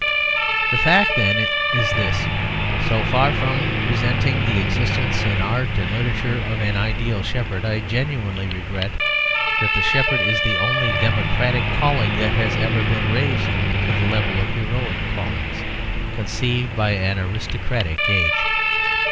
The fact, then, is this: So far from resenting the existence in art and literature of an ideal shepherd, I genuinely regret that the shepherd is the only democratic calling that has ever been raised to the level of the heroic callings conceived by an aristocratic age.